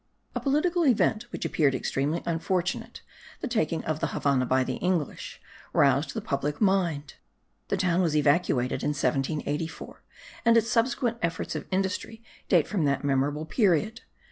A political event which appeared extremely unfortunate, the taking of the Havannah by the English, roused the public mind. The town was evacuated in 1784 and its subsequent efforts of industry date from that memorable period.